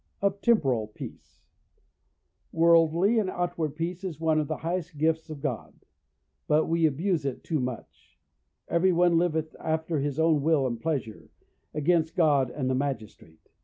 Of Temporal Peace. Worldly and outward peace is one of the highest gifts of God; but we abuse it too much; every one liveth after his own will and pleasure, against God and the Magistrate.